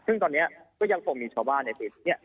ซึ่งตอนนี้ก็ยังผมมีชาวบ้านในศิษย์